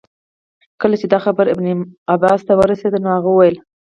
کله چي دا خبر ابن عباس ته ورسېدی نو هغه وویل.